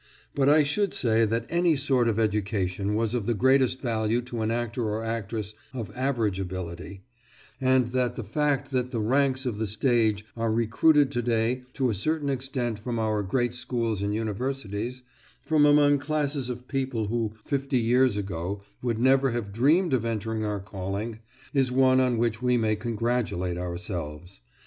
But I should say that any sort of education was of the greatest value to an actor or actress of average ability, and that the fact that the ranks of the stage are recruited to day to a certain extent from our great schools and universities, from among classes of people who fifty years ago would never have dreamed of entering our calling, is one on which we may congratulate ourselves.